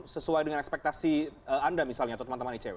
sesuai dengan ekspektasi anda misalnya atau teman teman icw